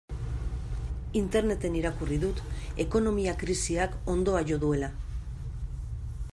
Interneten irakurri dut ekonomia krisiak hondoa jo duela.